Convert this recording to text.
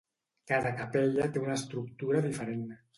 Cada capella té una estructura diferent.